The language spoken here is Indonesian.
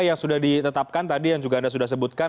yang sudah ditetapkan tadi yang juga anda sudah sebutkan